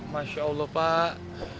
masya allah pak